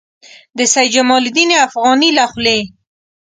د سید جمال الدین افغاني له خولې.